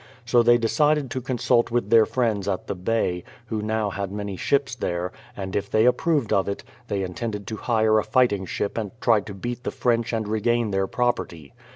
So they decided to consult with their friends at the Bay, who now had many ships there, and if they approved of it, they intended to hire a fighting ship and try to beat out the French and regain their property.